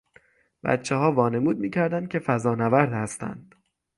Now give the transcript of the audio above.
بچهها وانمود میکردند که فضانورد هستند.